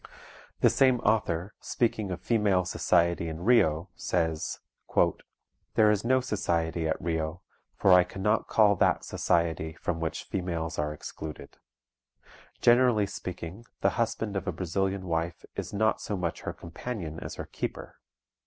The same author, speaking of female society in Rio, says: "There is no society at Rio, for I can not call that society from which females are excluded. Generally speaking, the husband of a Brazilian wife is not so much her companion as her keeper.